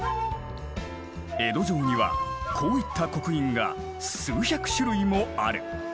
江戸城にはこういった刻印が数百種類もある。